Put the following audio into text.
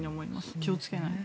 気を付けないと。